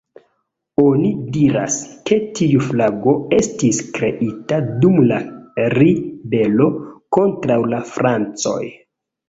Oni diras, ke tiu flago estis kreita dum la ribelo kontraŭ la francoj.